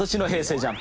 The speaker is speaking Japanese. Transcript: ＪＵＭＰ